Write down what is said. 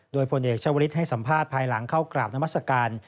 โดยพลเอกชาวฤทธิให้สัมภาษณ์ภายหลังเข้ากราบนามัศกาล